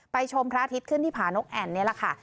ชมพระอาทิตย์ขึ้นที่ผานกแอ่นนี่แหละค่ะ